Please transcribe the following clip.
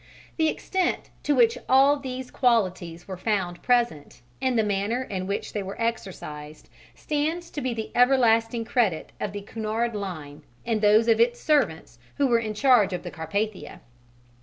The extent to which all these qualities were found present and the manner in which they were exercised stands to the everlasting credit of the Cunard Line and those of its servants who were in charge of the Carpathia.